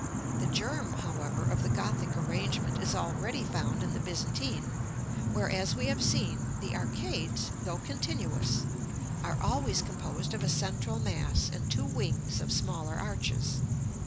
The germ, however, of the Gothic arrangement is already found in the Byzantine, where, as we have seen, the arcades, though continuous, are always composed of a central mass and two wings of smaller arches.